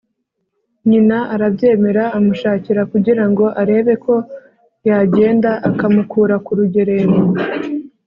Nyina arabyemera amushakira kugirango arebeko yagenda akamukura ku rugerero